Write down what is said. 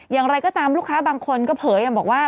อย่างไรก็ตามลูกค้าบางคนก็เผยบอกว่า